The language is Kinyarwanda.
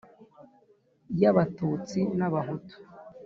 y Abatutsi n Abahutu